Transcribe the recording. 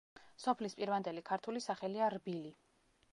სოფლის პირვანდელი ქართული სახელია რბილი.